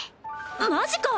マジか！